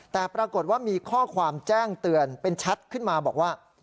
แต่ปรากฏว่ามีข้อความแจ้งเตือนเป็นแชทขึ้นมาบอกว่า